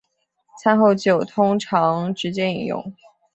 餐后酒通常直接饮用。